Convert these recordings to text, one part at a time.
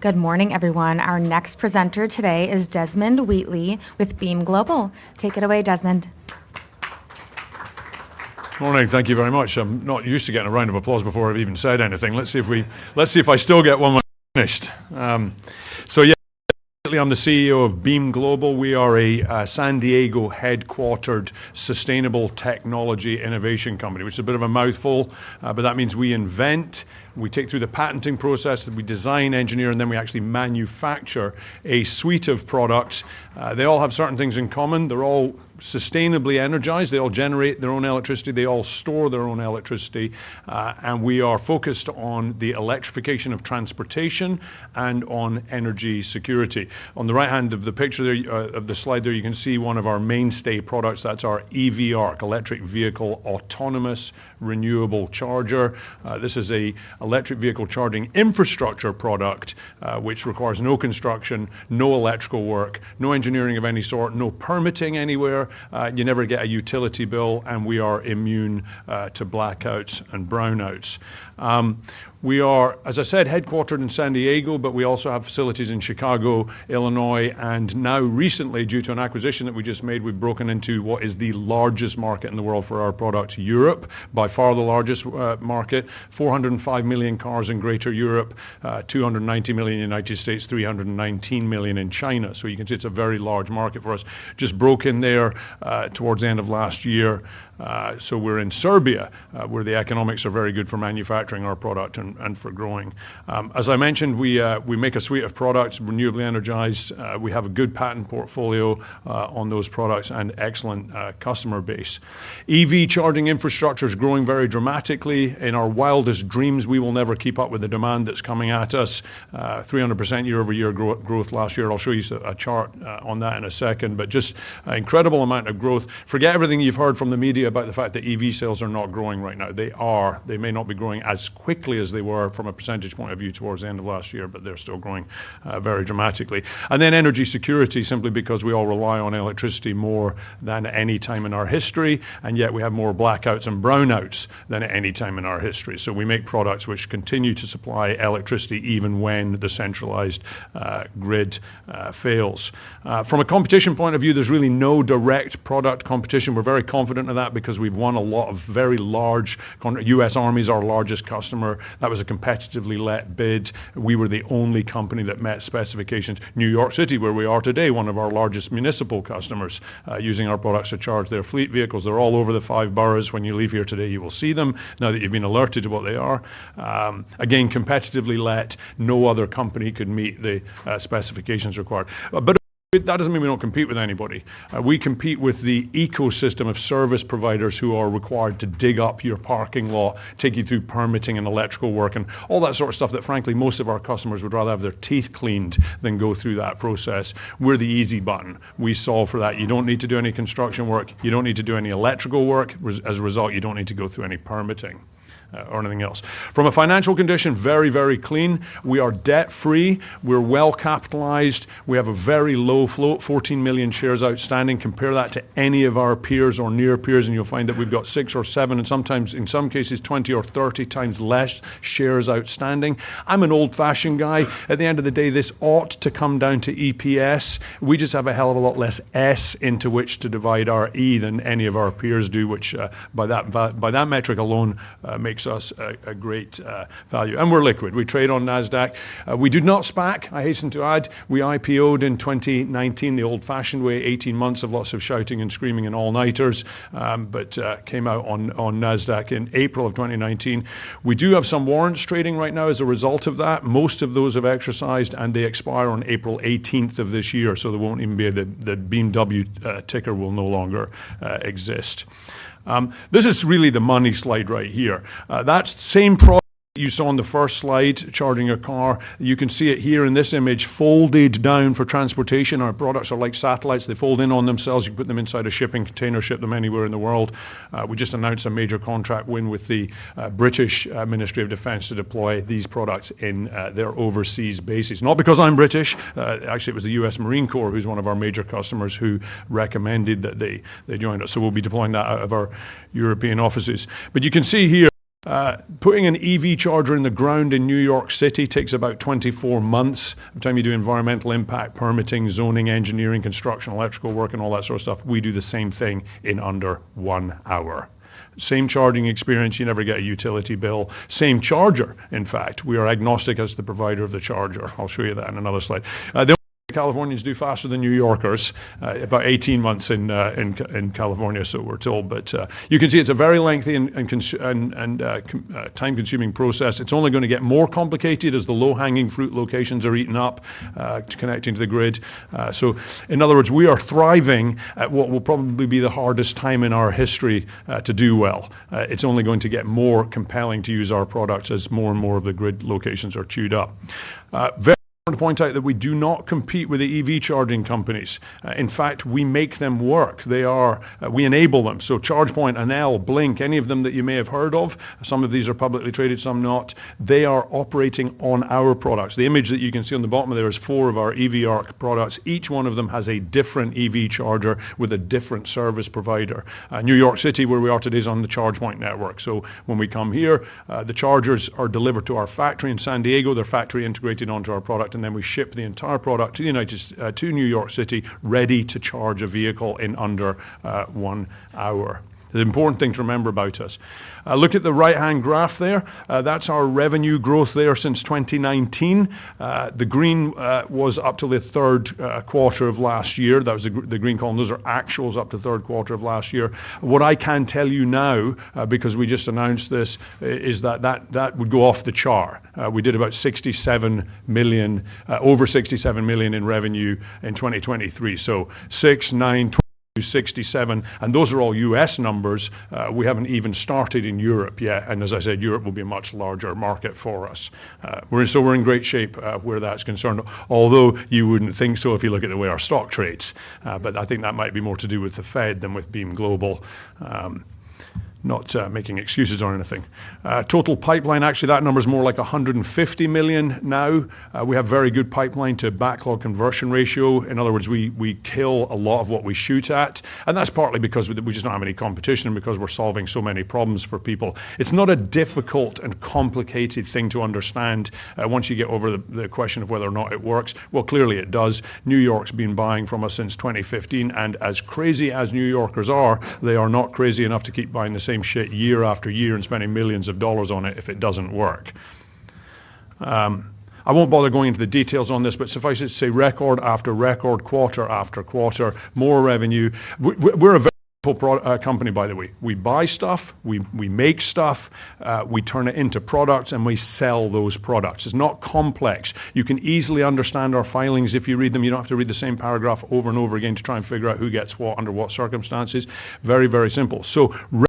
Good morning, everyone. Our next presenter today is Desmond Wheatley with Beam Global. Take it away, Desmond. Good morning. Thank you very much. I'm not used to getting a round of applause before I've even said anything. Let's see if I still get one once I'm finished. So yeah, I'm the CEO of Beam Global. We are a San Diego-headquartered sustainable technology innovation company, which is a bit of a mouthful. But that means we invent, we take through the patenting process, we design, engineer, and then we actually manufacture a suite of products. They all have certain things in common. They're all sustainably energized. They all generate their own electricity. They all store their own electricity. And we are focused on the electrification of transportation and on energy security. On the right hand of the picture there of the slide there, you can see one of our mainstay products. That's our EV ARC, Electric Vehicle Autonomous Renewable Charger. This is an electric vehicle charging infrastructure product which requires no construction, no electrical work, no engineering of any sort, no permitting anywhere. You never get a utility bill. We are immune to blackouts and brownouts. We are, as I said, headquartered in San Diego. We also have facilities in Chicago, Illinois. Now recently, due to an acquisition that we just made, we've broken into what is the largest market in the world for our product, Europe, by far the largest market, 405 million cars in greater Europe, 290 million in the United States, 319 million in China. You can see it's a very large market for us, just broke in there towards the end of last year. We're in Serbia, where the economics are very good for manufacturing our product and for growing. As I mentioned, we make a suite of products, renewably energized. We have a good patent portfolio on those products and excellent customer base. EV charging infrastructure is growing very dramatically. In our wildest dreams, we will never keep up with the demand that's coming at us, 300% year-over-year growth last year. I'll show you a chart on that in a second. Just an incredible amount of growth. Forget everything you've heard from the media about the fact that EV sales are not growing right now. They are. They may not be growing as quickly as they were from a percentage point of view towards the end of last year. They're still growing very dramatically. Then energy security, simply because we all rely on electricity more than at any time in our history. Yet we have more blackouts and brownouts than at any time in our history. So we make products which continue to supply electricity even when the centralized grid fails. From a competition point of view, there's really no direct product competition. We're very confident in that because we've won a lot of very large. U.S. Army is our largest customer. That was a competitively let bid. We were the only company that met specifications. New York City, where we are today, one of our largest municipal customers using our products to charge their fleet vehicles. They're all over the five boroughs. When you leave here today, you will see them now that you've been alerted to what they are. Again, competitively let. No other company could meet the specifications required. But that doesn't mean we don't compete with anybody. We compete with the ecosystem of service providers who are required to dig up your parking lot, take you through permitting and electrical work, and all that sort of stuff that, frankly, most of our customers would rather have their teeth cleaned than go through that process. We're the easy button. We solve for that. You don't need to do any construction work. You don't need to do any electrical work. As a result, you don't need to go through any permitting or anything else. From a financial condition, very, very clean. We are debt-free. We're well capitalized. We have a very low float, 14 million shares outstanding. Compare that to any of our peers or near peers. You'll find that we've got six or seven and sometimes, in some cases, 20 or 30 times less shares outstanding. I'm an old-fashioned guy. At the end of the day, this ought to come down to EPS. We just have a hell of a lot less S into which to divide our E than any of our peers do, which by that metric alone makes us a great value. We're liquid. We trade on NASDAQ. We do not SPAC, I hasten to add. We IPO'd in 2019 the old-fashioned way, 18 months of lots of shouting and screaming and all-nighters, but came out on NASDAQ in April 2019. We do have some warrants trading right now as a result of that. Most of those have exercised. They expire on April 18 of this year. So there won't even be the BEEMW ticker; it will no longer exist. This is really the money slide right here. That's the same product that you saw on the first slide, charging a car. You can see it here in this image, folded down for transportation. Our products are like satellites. They fold in on themselves. You put them inside a shipping container, ship them anywhere in the world. We just announced a major contract win with the U.K. Ministry of Defence to deploy these products in their overseas bases, not because I'm British. Actually, it was the U.S. Marine Corps, who's one of our major customers, who recommended that they joined us. We'll be deploying that out of our European offices. You can see here, putting an EV charger in the ground in New York City takes about 24 months. By the time you do environmental impact, permitting, zoning, engineering, construction, electrical work, and all that sort of stuff, we do the same thing in under 1 hour. Same charging experience. You never get a utility bill. Same charger, in fact. We are agnostic as the provider of the charger. I'll show you that in another slide. The Californians do faster than New Yorkers, about 18 months in California, so we're told. But you can see it's a very lengthy and time-consuming process. It's only going to get more complicated as the low-hanging fruit locations are eaten up connecting to the grid. So in other words, we are thriving at what will probably be the hardest time in our history to do well. It's only going to get more compelling to use our products as more and more of the grid locations are queued up. Very important to point out that we do not compete with the EV charging companies. In fact, we make them work. We enable them. So ChargePoint, Enel, Blink, any of them that you may have heard of. Some of these are publicly traded. Some not. They are operating on our products. The image that you can see on the bottom of there is four of our EV ARC products. Each one of them has a different EV charger with a different service provider. New York City, where we are today, is on the ChargePoint network. So when we come here, the chargers are delivered to our factory in San Diego. They're factory integrated onto our product. And then we ship the entire product to New York City, ready to charge a vehicle in under one hour. The important thing to remember about us, look at the right-hand graph there. That's our revenue growth there since 2019. The green was up to the third quarter of last year. That was the green column. Those are actuals up to third quarter of last year. What I can tell you now, because we just announced this, is that that would go off the chart. We did about $67 million, over $67 million in revenue in 2023. So six, 9, 20, 67. And those are all U.S. numbers. We haven't even started in Europe yet. And as I said, Europe will be a much larger market for us. So we're in great shape where that's concerned, although you wouldn't think so if you look at the way our stock trades. But I think that might be more to do with the Fed than with Beam Global, not making excuses on anything. Total pipeline, actually, that number is more like $150 million now. We have a very good pipeline to backlog conversion ratio. In other words, we kill a lot of what we shoot at. And that's partly because we just don't have any competition and because we're solving so many problems for people. It's not a difficult and complicated thing to understand once you get over the question of whether or not it works. Well, clearly, it does. New York's been buying from us since 2015. And as crazy as New Yorkers are, they are not crazy enough to keep buying the same shit year after year and spending millions of dollars on it if it doesn't work. I won't bother going into the details on this. But suffice it to say, record after record, quarter after quarter, more revenue. We're a very multiple company, by the way. We buy stuff. We make stuff. We turn it into products. And we sell those products. It's not complex. You can easily understand our filings if you read them. You don't have to read the same paragraph over and over again to try and figure out who gets what under what circumstances. Very, very simple. So revenue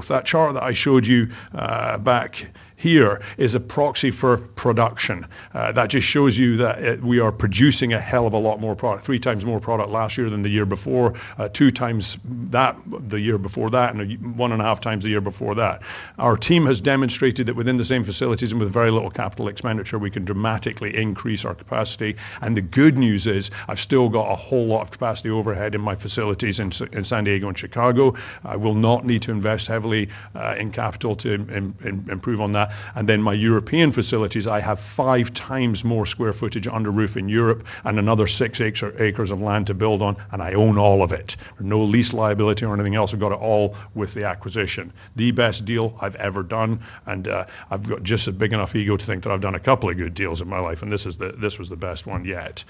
growth, that chart that I showed you back here is a proxy for production. That just shows you that we are producing a hell of a lot more product, 3 times more product last year than the year before, 2 times that the year before that, and 1.5 times the year before that. Our team has demonstrated that within the same facilities and with very little capital expenditure, we can dramatically increase our capacity. And the good news is, I've still got a whole lot of capacity overhead in my facilities in San Diego and Chicago. I will not need to invest heavily in capital to improve on that. And then my European facilities, I have five times more square footage under roof in Europe and another six acres of land to build on. I own all of it. No lease liability or anything else. We've got it all with the acquisition, the best deal I've ever done. I've got just a big enough ego to think that I've done a couple of good deals in my life. And this was the best one yet.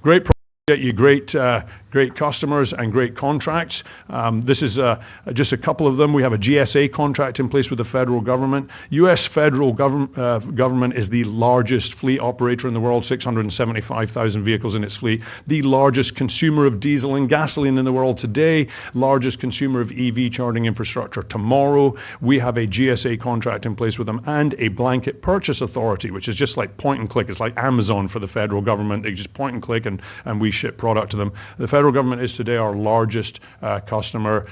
Great products to get you, great customers, and great contracts. This is just a couple of them. We have a GSA contract in place with the federal government. U.S. federal government is the largest fleet operator in the world, 675,000 vehicles in its fleet, the largest consumer of diesel and gasoline in the world today, largest consumer of EV charging infrastructure tomorrow. We have a GSA contract in place with them and a blanket purchase authority, which is just like point and click. It's like Amazon for the federal government. They just point and click. We ship product to them. The federal government is today our largest customer.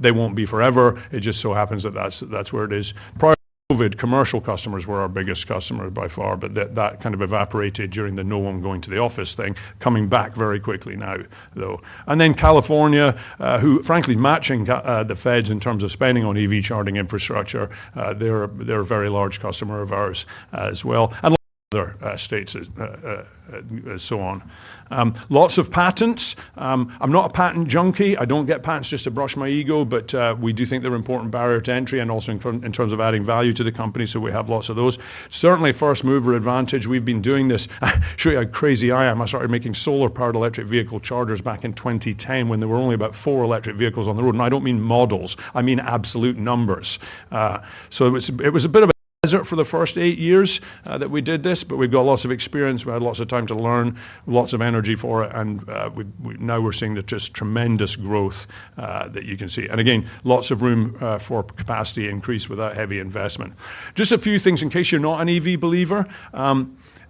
They won't be forever. It just so happens that that's where it is. Prior to COVID, commercial customers were our biggest customers by far. But that kind of evaporated during the no-one-going-to-the-office thing, coming back very quickly now, though. Then California, who, frankly, matching the Feds in terms of spending on EV charging infrastructure, they're a very large customer of ours as well, and other states, and so on. Lots of patents. I'm not a patent junkie. I don't get patents just to brush my ego. But we do think they're an important barrier to entry and also in terms of adding value to the company. So we have lots of those. Certainly, first mover advantage. We've been doing this. I'll show you how crazy I am. I started making solar-powered electric vehicle chargers back in 2010 when there were only about four electric vehicles on the road. And I don't mean models. I mean absolute numbers. So it was a bit of a desert for the first eight years that we did this. But we've got lots of experience. We had lots of time to learn, lots of energy for it. And now we're seeing the just tremendous growth that you can see. And again, lots of room for capacity increase without heavy investment. Just a few things in case you're not an EV believer.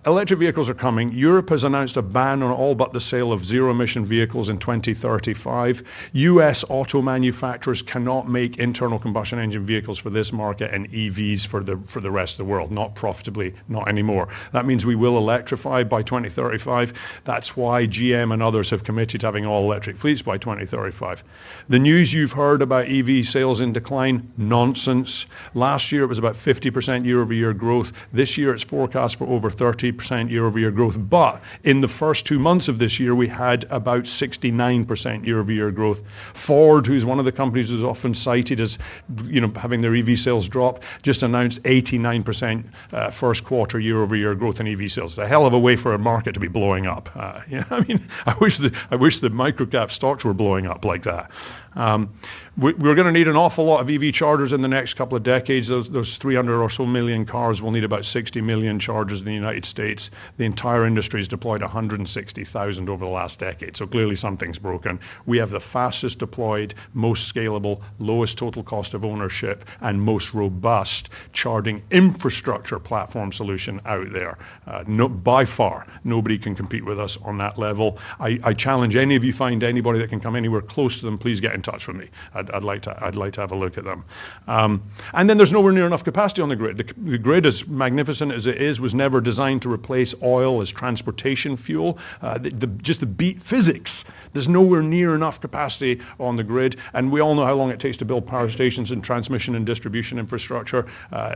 Electric vehicles are coming. Europe has announced a ban on all but the sale of zero-emission vehicles in 2035. U.S. auto manufacturers cannot make internal combustion engine vehicles for this market and EVs for the rest of the world, not profitably, not anymore. That means we will electrify by 2035. That's why GM and others have committed to having all electric fleets by 2035. The news you've heard about EV sales in decline, nonsense. Last year, it was about 50% year-over-year growth. This year, it's forecast for over 30% year-over-year growth. But in the first two months of this year, we had about 69% year-over-year growth. Ford, who's one of the companies that's often cited as having their EV sales dropped, just announced 89% first quarter year-over-year growth in EV sales. It's a hell of a way for a market to be blowing up. I mean, I wish the microcap stocks were blowing up like that. We're going to need an awful lot of EV chargers in the next couple of decades. Those 300 or so million cars, we'll need about 60 million chargers in the United States. The entire industry has deployed 160,000 over the last decade. So clearly, something's broken. We have the fastest deployed, most scalable, lowest total cost of ownership, and most robust charging infrastructure platform solution out there. By far, nobody can compete with us on that level. I challenge any of you find anybody that can come anywhere close to them, please get in touch with me. I'd like to have a look at them. And then there's nowhere near enough capacity on the grid. The grid, as magnificent as it is, was never designed to replace oil as transportation fuel, just to beat physics. There's nowhere near enough capacity on the grid. We all know how long it takes to build power stations and transmission and distribution infrastructure,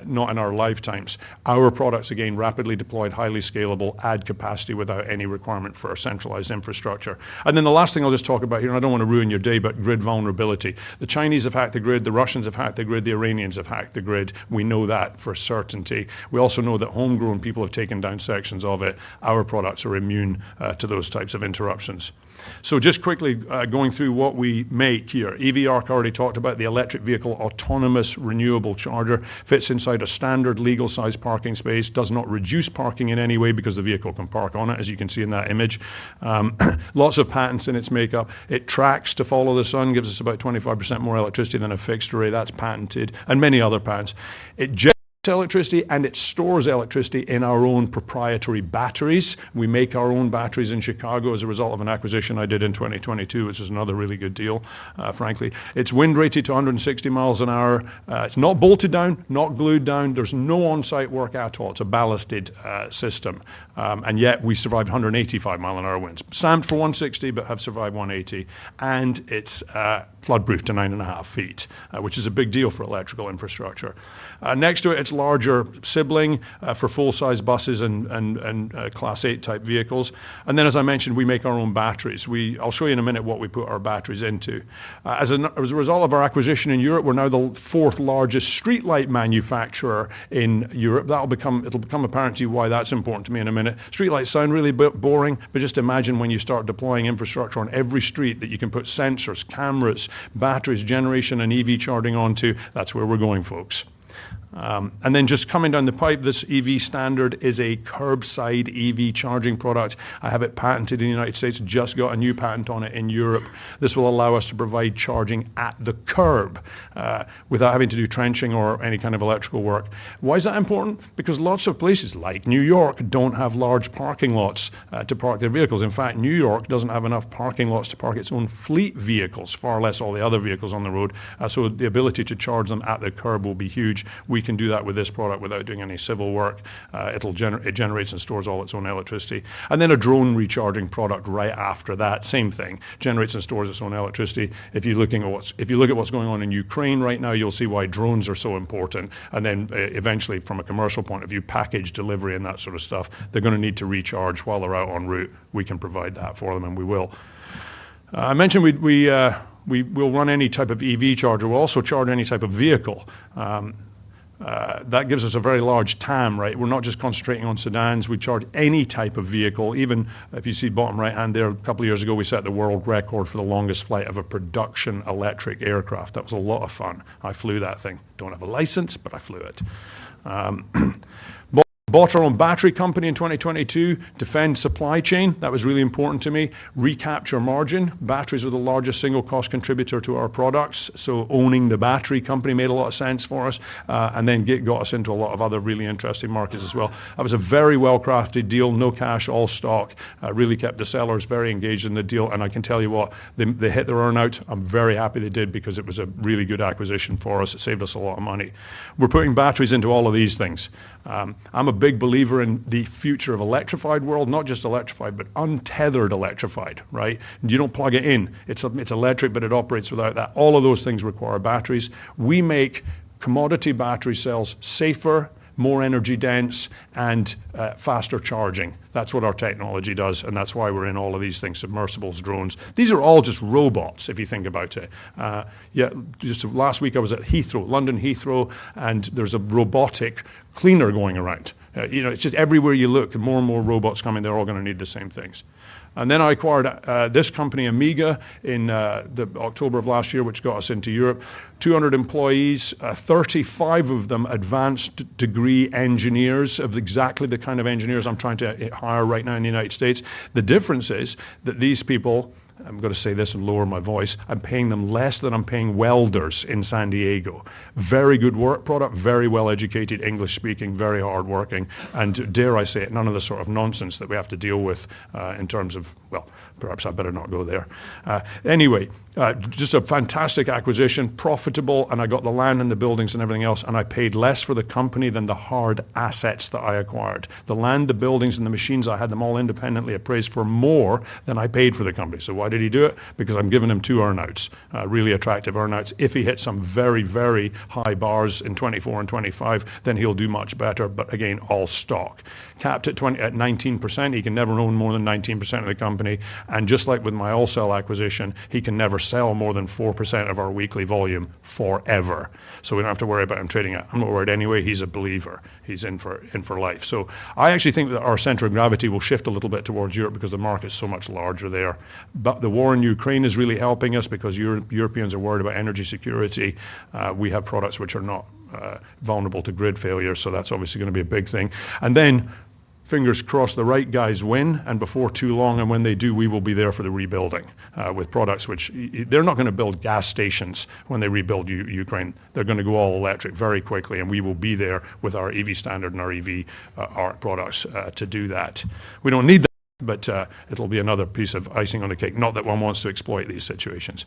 not in our lifetimes. Our products, again, rapidly deployed, highly scalable, add capacity without any requirement for a centralized infrastructure. Then the last thing I'll just talk about here, and I don't want to ruin your day, but grid vulnerability. The Chinese have hacked the grid. The Russians have hacked the grid. The Iranians have hacked the grid. We know that for certainty. We also know that homegrown people have taken down sections of it. Our products are immune to those types of interruptions. So just quickly going through what we make here, EV ARC, I already talked about. The electric vehicle autonomous renewable charger fits inside a standard legal-sized parking space, does not reduce parking in any way because the vehicle can park on it, as you can see in that image. Lots of patents in its makeup. It tracks to follow the sun, gives us about 25% more electricity than a fixed array. That's patented and many other patents. It generates electricity. It stores electricity in our own proprietary batteries. We make our own batteries in Chicago as a result of an acquisition I did in 2022, which was another really good deal, frankly. It's wind rated to 160 miles an hour. It's not bolted down, not glued down. There's no on-site work at all. It's a ballasted system. And yet, we survived 185 mile an hour winds, stamped for 160 but have survived 180. It's floodproof to 9.5 feet, which is a big deal for electrical infrastructure. Next to it, its larger sibling for full-size buses and Class 8 type vehicles. And then, as I mentioned, we make our own batteries. I'll show you in a minute what we put our batteries into. As a result of our acquisition in Europe, we're now the fourth largest streetlight manufacturer in Europe. It'll become apparent to you why that's important to me in a minute. Streetlights sound really boring. But just imagine when you start deploying infrastructure on every street that you can put sensors, cameras, batteries, generation, and EV charging onto. That's where we're going, folks. And then just coming down the pipe, this EV Standard is a curbside EV charging product. I have it patented in the United States. Just got a new patent on it in Europe. This will allow us to provide charging at the curb without having to do trenching or any kind of electrical work. Why is that important? Because lots of places, like New York, don't have large parking lots to park their vehicles. In fact, New York doesn't have enough parking lots to park its own fleet vehicles, far less all the other vehicles on the road. So the ability to charge them at the curb will be huge. We can do that with this product without doing any civil work. It generates and stores all its own electricity. And then a drone recharging product right after that, same thing, generates and stores its own electricity. If you look at what's going on in Ukraine right now, you'll see why drones are so important. And then eventually, from a commercial point of view, package delivery and that sort of stuff, they're going to need to recharge while they're out en route. We can provide that for them. And we will. I mentioned we'll run any type of EV charger. We'll also charge any type of vehicle. That gives us a very large TAM, right? We're not just concentrating on sedans. We charge any type of vehicle. Even if you see bottom right-hand there, a couple of years ago, we set the world record for the longest flight of a production electric aircraft. That was a lot of fun. I flew that thing. Don't have a license, but I flew it. Bought our own battery company in 2022 to defend supply chain. That was really important to me to recapture margin, batteries are the largest single-cost contributor to our products. So owning the battery company made a lot of sense for us and then got us into a lot of other really interesting markets as well. That was a very well-crafted deal, no cash, all stock. It really kept the sellers very engaged in the deal. And I can tell you what, they hit their earnout. I'm very happy they did because it was a really good acquisition for us. It saved us a lot of money. We're putting batteries into all of these things. I'm a big believer in the future of electrified world, not just electrified but untethered electrified, right? You don't plug it in. It's electric, but it operates without that. All of those things require batteries. We make commodity battery cells safer, more energy-dense, and faster charging. That's what our technology does. And that's why we're in all of these things, submersibles, drones. These are all just robots, if you think about it. Yet just last week, I was at Heathrow, London Heathrow. And there's a robotic cleaner going around. It's just everywhere you look, more and more robots coming. They're all going to need the same things. And then I acquired this company, Amiga, in October of last year, which got us into Europe, 200 employees, 35 of them advanced degree engineers of exactly the kind of engineers I'm trying to hire right now in the United States. The difference is that these people I'm going to say this and lower my voice. I'm paying them less than I'm paying welders in San Diego. Very good work product, very well-educated, English-speaking, very hardworking. And dare I say it, none of the sort of nonsense that we have to deal with in terms of well, perhaps I better not go there. Anyway, just a fantastic acquisition, profitable. And I got the land and the buildings and everything else. And I paid less for the company than the hard assets that I acquired, the land, the buildings, and the machines. I had them all independently appraised for more than I paid for the company. So why did he do it? Because I'm giving him two earnouts, really attractive earnouts. If he hits some very, very high bars in 2024 and 2025, then he'll do much better. But again, all stock, capped at 19%. He can never own more than 19% of the company. And just like with my all-sell acquisition, he can never sell more than 4% of our weekly volume forever. So we don't have to worry about him trading out. I'm not worried anyway. He's a believer. He's in for life. So I actually think that our center of gravity will shift a little bit towards Europe because the market's so much larger there. But the war in Ukraine is really helping us because Europeans are worried about energy security. We have products which are not vulnerable to grid failure. So that's obviously going to be a big thing. And then fingers crossed, the right guys win. And before too long, and when they do, we will be there for the rebuilding with products which they're not going to build gas stations when they rebuild Ukraine. They're going to go all electric very quickly. And we will be there with our EV Standard and our EV products to do that. We don't need that. But it'll be another piece of icing on the cake, not that one wants to exploit these situations.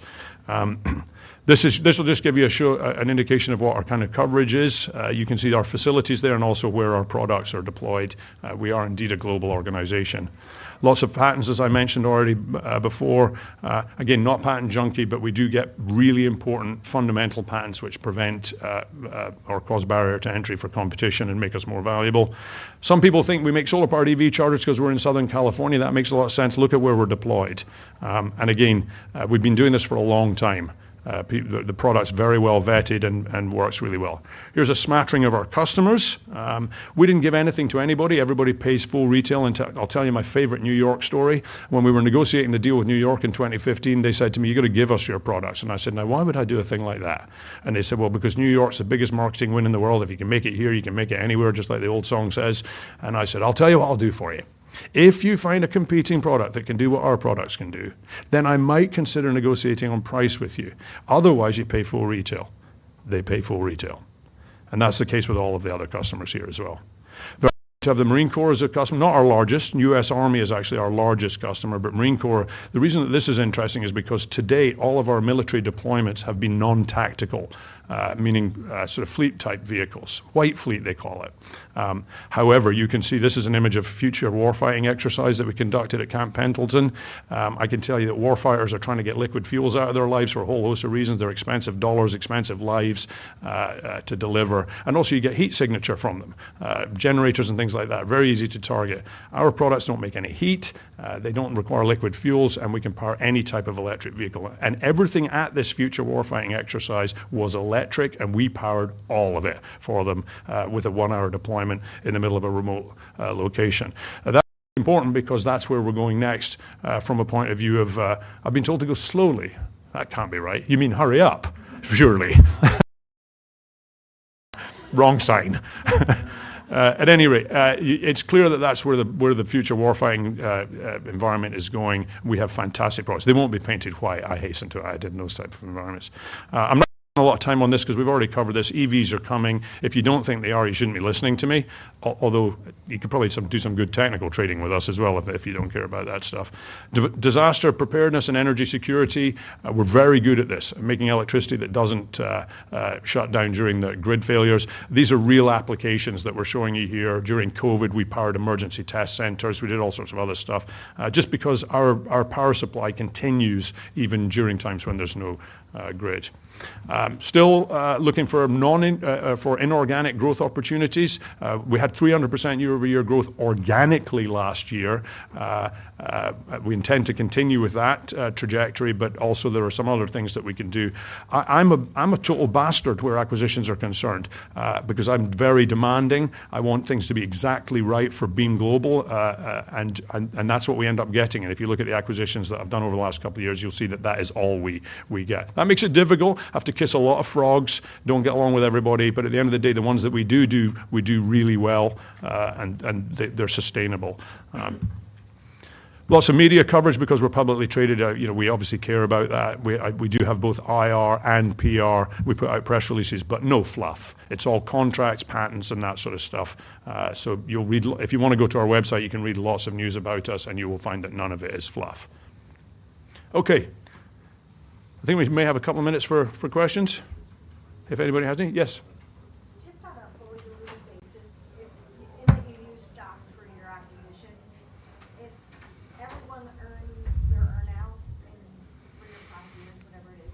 This will just give you an indication of what our kind of coverage is. You can see our facilities there and also where our products are deployed. We are indeed a global organization, lots of patents, as I mentioned already before. Again, not patent junkie. But we do get really important fundamental patents which prevent or cause barrier to entry for competition and make us more valuable. Some people think we make solar-powered EV chargers because we're in Southern California. That makes a lot of sense. Look at where we're deployed. And again, we've been doing this for a long time. The product's very well vetted and works really well. Here's a smattering of our customers. We didn't give anything to anybody. Everybody pays full retail. And I'll tell you my favorite New York story. When we were negotiating the deal with New York in 2015, they said to me, "You've got to give us your products." And I said, "Now why would I do a thing like that?" And they said, "Well, because New York's the biggest marketing win in the world. If you can make it here, you can make it anywhere, just like the old song says." And I said, "I'll tell you what I'll do for you. If you find a competing product that can do what our products can do, then I might consider negotiating on price with you. Otherwise, you pay full retail." They pay full retail. And that's the case with all of the other customers here as well. Very much of the U.S. Marine Corps is a customer, not our largest. U.S. Army is actually our largest customer. But, Marine Corps, the reason that this is interesting is because today, all of our military deployments have been non-tactical, meaning sort of fleet-type vehicles, white fleet, they call it. However, you can see this is an image of future warfighting exercise that we conducted at Camp Pendleton. I can tell you that warfighters are trying to get liquid fuels out of their lives for a whole host of reasons. They're expensive dollars, expensive lives to deliver. And also, you get heat signature from them, generators and things like that, very easy to target. Our products don't make any heat. They don't require liquid fuels. And we can power any type of electric vehicle. And everything at this future warfighting exercise was electric. And we powered all of it for them with a one-hour deployment in the middle of a remote location. That's important because that's where we're going next from a point of view of I've been told to go slowly. That can't be right. You mean hurry up, surely. Wrong sign. At any rate, it's clear that that's where the future warfighting environment is going. We have fantastic products. They won't be painted white. I hasten to it. I didn't know those types of environments. I'm not spending a lot of time on this because we've already covered this. EVs are coming. If you don't think they are, you shouldn't be listening to me, although you could probably do some good technical trading with us as well if you don't care about that stuff. Disaster preparedness and energy security, we're very good at this, making electricity that doesn't shut down during the grid failures. These are real applications that we're showing you here. During COVID, we powered emergency test centers. We did all sorts of other stuff just because our power supply continues even during times when there's no grid. Still looking for inorganic growth opportunities. We had 300% year-over-year growth organically last year. We intend to continue with that trajectory. But also, there are some other things that we can do. I'm a total bastard where acquisitions are concerned because I'm very demanding. I want things to be exactly right for Beam Global. And that's what we end up getting. And if you look at the acquisitions that I've done over the last couple of years, you'll see that that is all we get. That makes it difficult. I have to kiss a lot of frogs. Don't get along with everybody. But at the end of the day, the ones that we do do, we do really well. And they're sustainable. Lots of media coverage because we're publicly traded. We obviously care about that. We do have both IR and PR. We put out press releases, but no fluff. It's all contracts, patents, and that sort of stuff. So if you want to go to our website, you can read lots of news about us. And you will find that none of it is fluff. OK. I think we may have a couple of minutes for questions if anybody has any. Yes.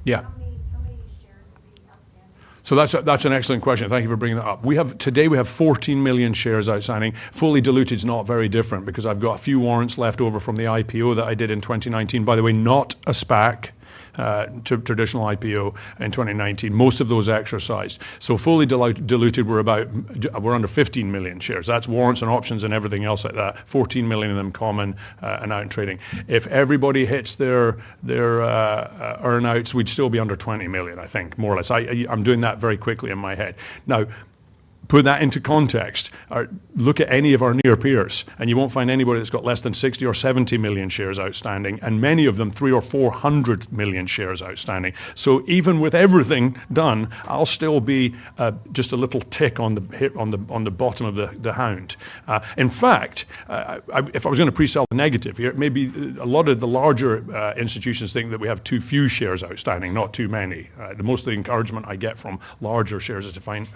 Just on our fully diluted basis, in that you use stock for your acquisitions, if everyone earns their earnout in three or five years, whatever it is, how many shares would be outstanding? So that's an excellent question. Thank you for bringing that up. Today, we have 14 million shares outstanding. Fully diluted is not very different because I've got a few warrants left over from the IPO that I did in 2019, by the way, not a SPAC, traditional IPO in 2019, most of those exercised. So fully diluted, we're under 15 million shares. That's warrants and options and everything else like that, 14 million of them common and out in trading. If everybody hits their earnouts, we'd still be under 20 million, I think, more or less. I'm doing that very quickly in my head. Now, put that into context. Look at any of our near peers. You won't find anybody that's got less than 60 or 70 million shares outstanding, and many of them 300 or 400 million shares outstanding. So even with everything done, I'll still be just a little tick on the bottom of the hound. In fact, if I was going to presell the negative here, maybe a lot of the larger institutions think that we have too few shares outstanding, not too many. Most of the encouragement I get from larger shares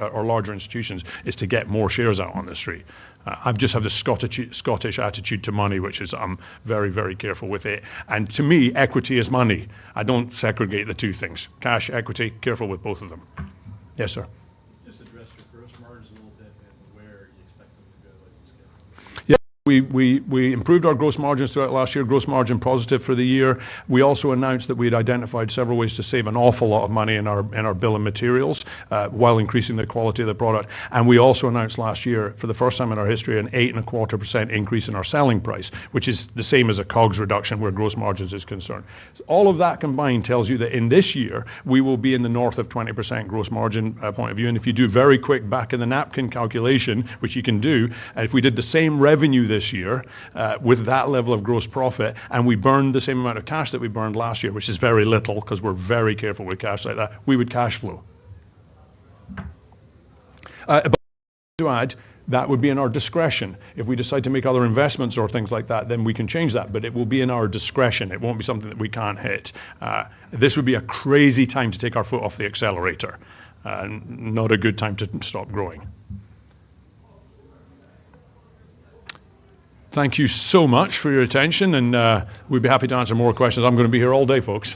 or larger institutions is to get more shares out on the street. I just have the Scottish attitude to money, which is I'm very, very careful with it. And to me, equity is money. I don't segregate the two things, cash, equity. Careful with both of them. Yes, sir. Just address your gross margins a little bit and where you expect them to go as you scale up. Yeah. We improved our gross margins throughout last year, gross margin positive for the year. We also announced that we had identified several ways to save an awful lot of money in our bill of materials while increasing the quality of the product. We also announced last year, for the first time in our history, an 8.25% increase in our selling price, which is the same as a COGS reduction where gross margins is concerned. All of that combined tells you that in this year, we will be in the north of 20% gross margin point of view. If you do very quick back-of-the-napkin calculation, which you can do, if we did the same revenue this year with that level of gross profit and we burned the same amount of cash that we burned last year, which is very little because we're very careful with cash like that, we would cash flow. To add, that would be in our discretion. If we decide to make other investments or things like that, then we can change that. But it will be in our discretion. It won't be something that we can't hit. This would be a crazy time to take our foot off the accelerator, not a good time to stop growing. Thank you so much for your attention. We'd be happy to answer more questions. I'm going to be here all day, folks.